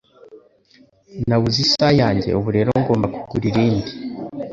Nabuze isaha yanjye ubu rero ngomba kugura irindi